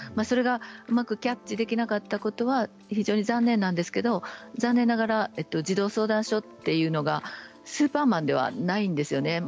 それがうまくキャッチできなかったことは非常に残念なんですけれども残念ながら児童相談所というのはスーパーマンではないんですよね。